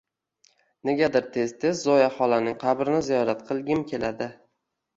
Negadir tez-tez Zoya xolaning qabrini ziyorat qilgim keladi.